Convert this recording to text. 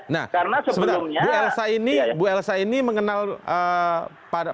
nah sebenarnya bu elsa ini mengenal atir tidak